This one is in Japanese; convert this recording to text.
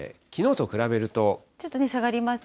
ちょっとね、下がります